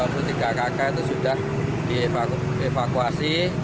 ketiga kakak itu sudah dievakuasi